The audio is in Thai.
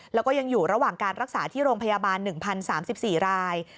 แล้วก็ยังอยู่ระหว่างการรักษาที่โรงพยาบาล๑๐๓๔ราย